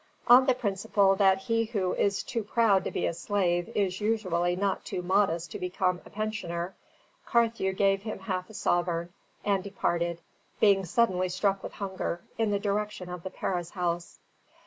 On the principle that he who is too proud to be a slave is usually not too modest to become a pensioner, Carthew gave him half a sovereign, and departed, being suddenly struck with hunger, in the direction of the Paris House.